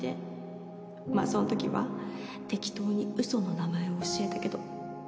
まあそんときは適当に嘘の名前を教えたけど。